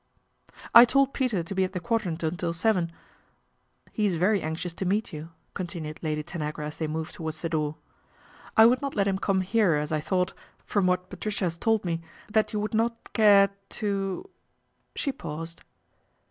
I told Peter to be at the Quadrant until seven. e is very anxious to meet you," continued Lady anagra as they moved towards the door. " I ould not let him come here as I thought, from hat Patricia has told me, that you would not e to " She paused.